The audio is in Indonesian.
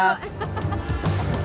sampai jumpa lagi